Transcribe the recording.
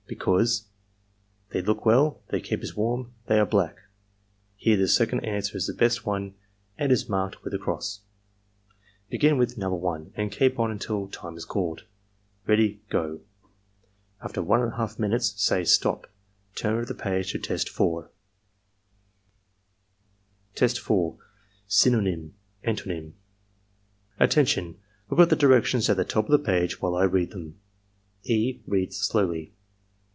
Because n they look well x) they keep us warm ^ they are black "*Here the second answer is the best one and is marked with a cross. Begin with No. 1 and keep on until time is called.' — Ready —Go !" After lV« minutes, say " STOP ! Turn over the page to Test 4." 64 ARMY MENTAL TESTS Test 4. — Synonym— Aatonym "Attention! Look at the directions at the top of the page while I read them." (E. reads slowly.)